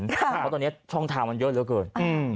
เพราะว่าตอนนี้ท่องทางมันเยอะแล้วก็อื่น